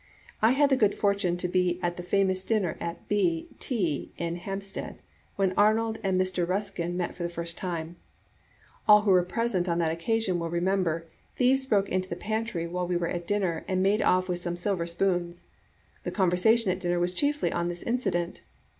I had the good fortune to be at the famous dinner at B — T in Hampstead, when Arnold and Mr. Ruskin met for the first time. As all who were present on that occasion will remember, thieves broke into the pantry while we were at dinner and made off with some silver spoons. The conversation at the dinner was chiefly on this incident.